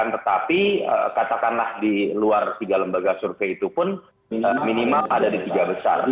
tetapi katakanlah di luar tiga lembaga survei itu pun minimal ada di tiga besar